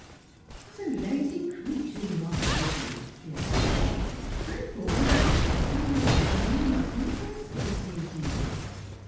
" What a lazy creature you are, Lizzie !" she exclaims. " I thought you wee going to put the ribbons on your mushn dress for this evening."